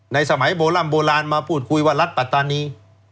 สมัยโบร่ำโบราณมาพูดคุยว่ารัฐปัตตานี